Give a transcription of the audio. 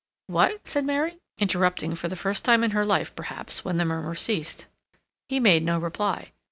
"What?" said Mary, interrupting, for the first time in her life, perhaps, when the murmur ceased. He made no reply.